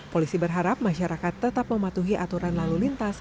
polisi berharap masyarakat tetap mematuhi aturan lalu lintas